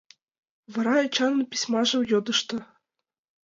Вара Эчанын письмажым йодышто.